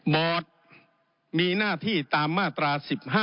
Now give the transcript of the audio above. บอร์ดมีหน้าที่ตามมาตรา๑๕